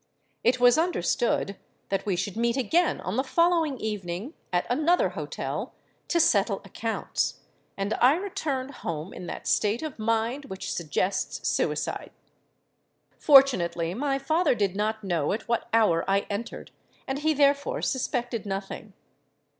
It was understood that we should meet again on the following evening at another hotel, to settle accounts; and I returned home in that state of mind which suggests suicide! "Fortunately my father did not know at what hour I entered; and he therefore suspected nothing.